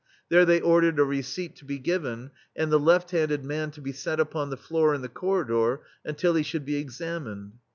There they ordered a receipt to be given, and the left handed man to be set upon the floor in the corridor until he should be examined.